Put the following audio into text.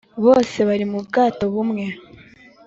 bose bari mu bwato bumwe.